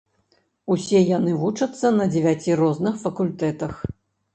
Усе яны вучацца на дзевяці розных факультэтах.